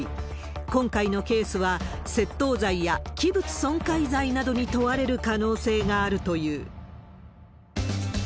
今回のケースは窃盗罪や器物損壊罪などに問われる可能性があるという。